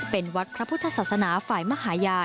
เป็นวัดพระพุทธศาสนาฝ่ายมหาญา